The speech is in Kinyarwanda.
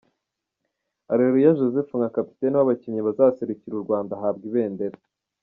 Areruya Joseph nka kapiteni w'abakinnyi bazaserukira u Rwanda ahabwa ibendera.